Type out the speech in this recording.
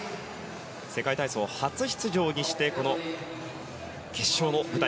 世界体操初出場にしてこの決勝の舞台。